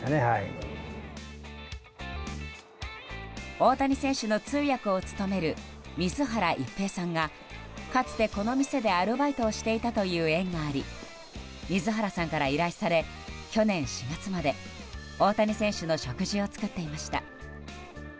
大谷選手の通訳を務める水原一平さんがかつて、この店でアルバイトをしていたという縁があり水原さんから依頼され去年４月まで大谷選手の食事を作っていました。